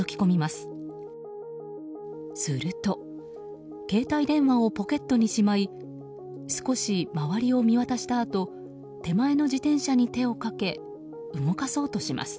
すると携帯電話をポケットにしまい少し周りを見渡したあと手前の自転車に手をかけ動かそうとします。